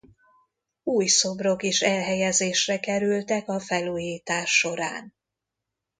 Új szobrok is elhelyezésre kerültek a felújítás során.